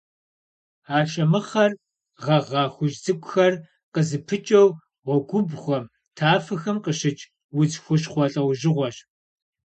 Ашэмыхъэр гъэгъа хужь цӏыкӏухэр къызыпыкӏэу гъуэгубгъухэм, тафэхэм къыщыкӏ удз хущхъуэ лӏэужьыгъуэщ.